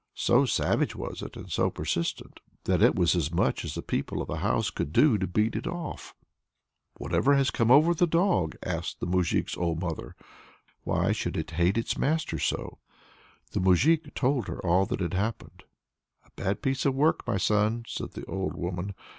So savage was it, and so persistent, that it was as much as the people of the house could do to beat it off. "Whatever has come over the dog?" asked the moujik's old mother. "Why should it hate its master so?" The moujik told her all that had happened. "A bad piece of work, my son!" said the old woman.